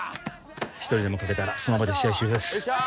一人でも欠けたらその場で試合終了です